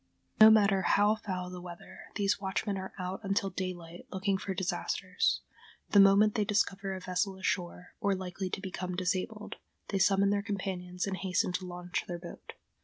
No matter how foul the weather, these watchmen are out until daylight looking for disasters. The moment they discover a vessel ashore, or likely to become disabled, they summon their companions and hasten to launch their boat.